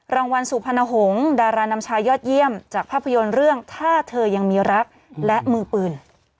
รางวัลสุพรรณหงษ์ดารานำชายยอดเยี่ยมจากภาพยนตร์เรื่องถ้าเธอยังมีรักและมือปืน